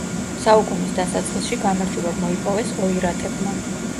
საუკუნის დასაწყისში გამარჯვება მოიპოვეს ოირატებმა.